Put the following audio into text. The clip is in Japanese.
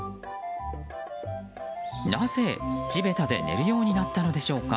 なぜ地べたで寝るようになったのでしょうか。